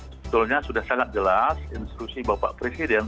sebetulnya sudah sangat jelas instruksi bapak presiden